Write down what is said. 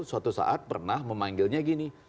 suatu saat pernah memanggilnya gini